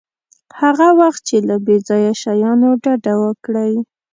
هغه وخت چې له بې ځایه شیانو ډډه وکړئ.